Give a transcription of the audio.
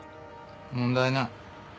問題ない。